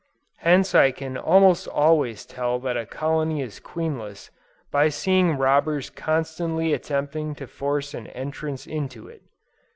Hence I can almost always tell that a colony is queenless, by seeing robbers constantly attempting to force an entrance into it.